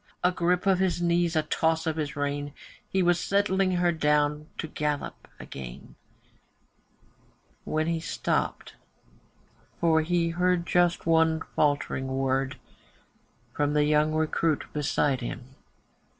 A grip of his knees, a toss of his rein, He was settling her down to her gallop again, When he stopped, for he heard just one faltering word From the young recruit beside him.